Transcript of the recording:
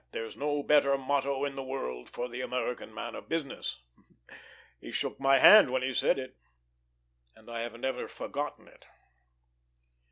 There's no better motto in the world for the American man of business.' He shook my hand when he said it, and I haven't ever forgotten it."